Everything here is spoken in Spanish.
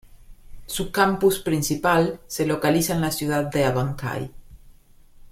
Su campus principal se localiza en la ciudad de Abancay.